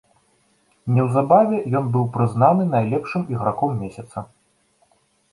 Неўзабаве ён быў прызнаны найлепшым іграком месяца.